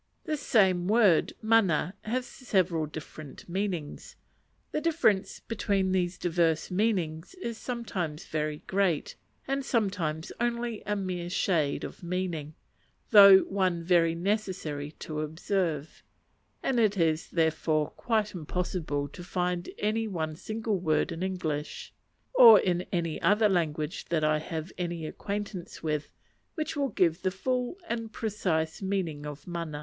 This same word mana has several different meanings; the difference between these diverse meanings is sometimes very great, and sometimes only a mere shade of meaning, though one very necessary to observe; and it is, therefore, quite impossible to find any one single word in English, or in any other language that I have any acquaintance with, which will give the full and precise meaning of mana.